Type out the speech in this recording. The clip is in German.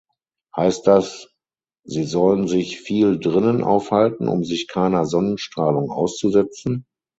Heißt das, sie sollen sich viel drinnen aufhalten, um sich keiner Sonnenstrahlung auszusetzen?